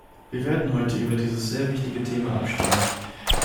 Wir werden heute über dieses sehr wichtige Thema abstimmen.